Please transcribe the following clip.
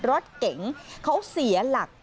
รถเก๋งเขาเสียหลัก